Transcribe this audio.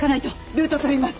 ルート取ります。